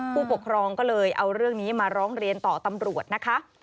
ผู้ปกครองก็เลยเอาเรื่องนี้มาร้องเรียนต่อตำรวจนะคะ